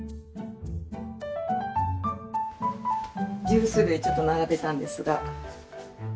ジュース類ちょっと並べたんですが。